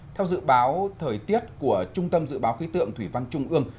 theo dự báo thời tiết của trung tâm dự báo khí tượng thủy văn trung ương